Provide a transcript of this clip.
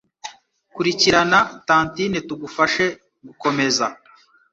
Kurikirana tantine tugufashe gukomeza